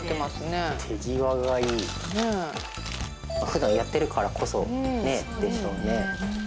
ふだんやってるからこそねでしょうね。